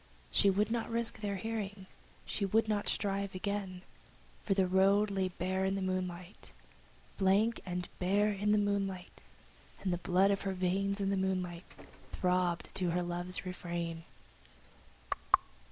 She would not risk their hearing, she would not strive again, For the road lay bare in the moonlight, Blank and bare in the moonlight, And the blood in her veins, in the moonlight, throbbed to her love's refrain.